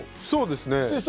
そうですね。